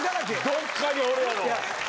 どっかにおるやろ。